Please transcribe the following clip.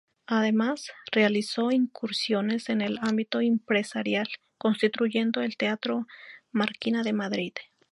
Además, realizó incursiones en el ámbito empresarial, construyendo el Teatro Marquina de Madrid.